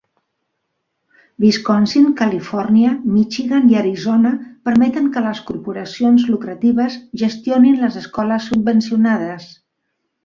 Wisconsin, Califòrnia, Michigan i Arizona permeten que les corporacions lucratives gestionin les escoles subvencionades.